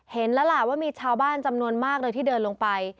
เห็นแล้วล่ะว่ามีชาวบ้านจำนวนมากเลยที่เดินลงไป